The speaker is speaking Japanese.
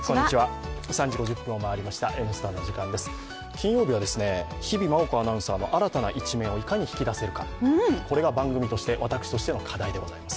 金曜日は日比麻音子アナウンサーの新たな一面をいかに引き出せるか、これが番組として、私としての課題でございます。